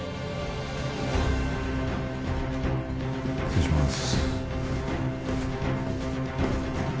失礼します。